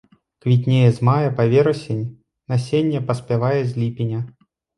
Квітнее з мая па верасень, насенне паспявае з ліпеня.